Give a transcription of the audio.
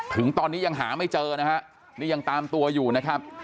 ถึงตอนนี้ยังหาไม่เจอนะฮะนี่ยังตามตัวอยู่นะครับ